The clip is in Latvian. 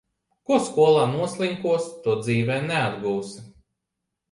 Ko skolā noslinkosi, to dzīvē neatgūsi.